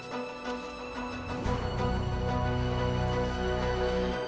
soalnya untuk paling penting